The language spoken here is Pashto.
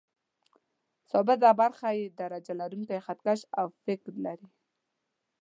ثابته برخه یې درجه لرونکی خط کش او فک لري.